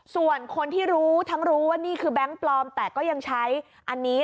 ส่วนคนที่รู้ทั้งรู้ว่านี่คือแบงค์ปลอมแต่ก็ยังใช้อันนี้